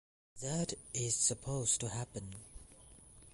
That is suppose to happen.